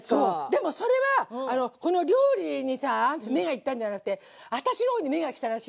でもそれはこの料理にさ目が行ったんじゃなくて私のほうに目が来たらしいの。